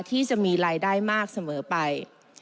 ที่จะมีรายได้มากเสมอไป